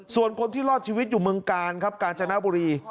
ส่วนคนที่รอดชีวิตอยู่เมืองกาลครับกาญจนบุรี